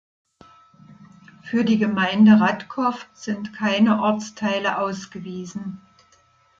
Für die Gemeinde Radkov sind keine Ortsteile ausgewiesen.